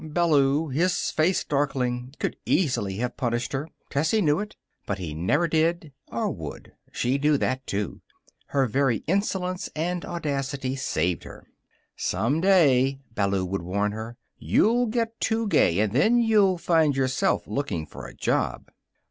Ballou, his face darkling, could easily have punished her. Tessie knew it. But he never did, or would. She knew that, too. Her very insolence and audacity saved her. "Someday," Ballou would warn her, "you'll get too gay, and then you'll find yourself looking for a job."